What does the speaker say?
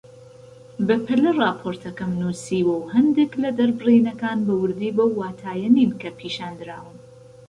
بەپەلە راپۆرتەکەم نووسیوە و هەندێک لە دەربڕینەکان بە وردی بەو واتایە نین کە پیشاندراون